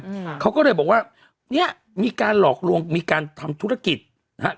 อืมเขาก็เลยบอกว่าเนี้ยมีการหลอกลวงมีการทำธุรกิจนะฮะ